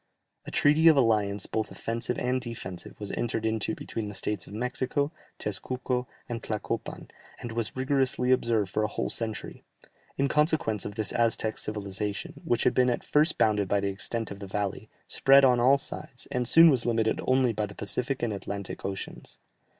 A treaty of alliance both offensive and defensive was entered into between the states of Mexico, Tezcuco, and Tlacopan, and was rigorously observed for a whole century; in consequence of this the Aztec civilization, which had been at first bounded by the extent of the valley, spread on all sides, and soon was limited only by the Pacific and Atlantic Oceans.